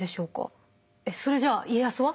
えっそれじゃあ家康は？